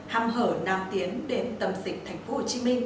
hăm hở nam tiến đến tầm dịch tp hcm